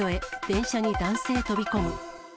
電車に男性飛び込む。